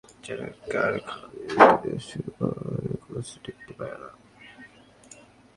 কারখানার আশপাশের স্কুলগুলোয় বাচ্চারা কারখানা-নির্গত গ্যাসের কারণে ক্লাসে টিকতে পারে না।